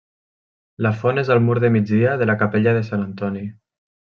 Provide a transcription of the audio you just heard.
La font és al mur de migdia de la capella de Sant Antoni.